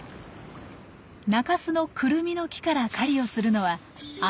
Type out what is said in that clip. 中州のクルミの木から狩りをするのはあのミサゴ。